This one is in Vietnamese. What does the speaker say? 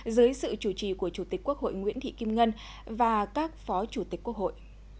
dưới sự chủ trì của chủ tịch quốc hội nguyễn thị kim ngân và các phó chủ tịch quốc hội